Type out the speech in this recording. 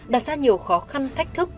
đặt ra nhiều khó khăn thách thức